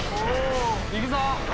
いくぞ！